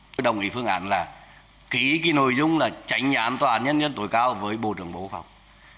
tôi đồng ý phương án là ký cái nội dung là tránh án tòa án nhân dân tối cao với bộ trưởng bộ quốc phòng